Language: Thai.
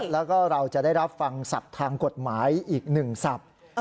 แล้วก็เราจะได้รับฟังศัพท์ทางกฎหมายอีกหนึ่งศัพท์